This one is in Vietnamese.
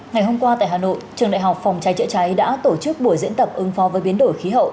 ngày hôm qua tại hà nội trường đại học phòng cháy chữa cháy đã tổ chức buổi diễn tập ứng phó với biến đổi khí hậu